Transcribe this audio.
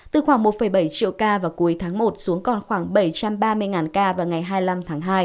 từ khoảng một bảy triệu ca vào cuối tháng một xuống còn khoảng bảy trăm ba mươi ca vào ngày hai mươi năm tháng hai